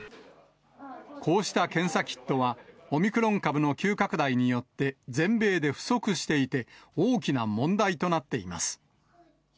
こうした検査キットはオミクロン株の急拡大によって、全米で不足していて、大きな問題となっています。